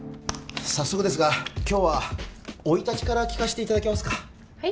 早速ですが今日は生い立ちから聞かせていただけますかはい？